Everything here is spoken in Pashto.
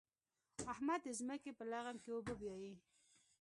احمد د ځمکې په لغم کې اوبه بيايي.